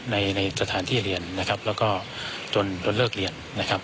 ในสถานที่เรียนจนโดนเลิกเรียน